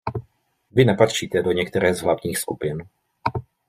Vy nepatříte do některé z hlavních skupin.